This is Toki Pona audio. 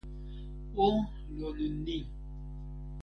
o lon ni!